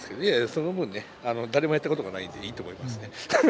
その分ね誰もやったことがないんでいいと思いますね。